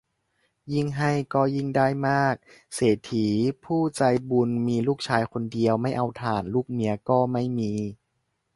ยิ่งให้ก็ยิ่งได้มาก เศรษฐีผู้ใจบุญมีลูกชายคนเดียว ไม่เอาถ่าน ลูกเมียก็ไม่มี